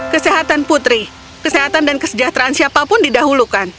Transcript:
kesehatan putri kesehatan dan kesejahteraan siapapun didahulukan